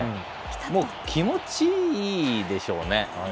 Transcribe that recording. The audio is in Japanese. もう気持ちいいでしょうね。